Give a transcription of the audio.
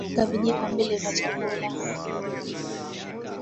weka vijiko mbili vya chakula